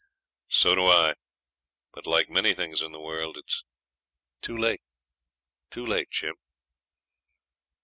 'So do I; but like many things in the world it's too late too late, Jim!'